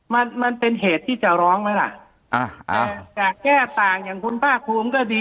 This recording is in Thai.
มันมันเป็นเหตุที่จะร้องไหมล่ะอ่าจะแก้ต่างอย่างคุณภาคภูมิก็ดี